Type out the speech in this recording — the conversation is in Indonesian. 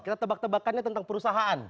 kita tebak tebakannya tentang perusahaan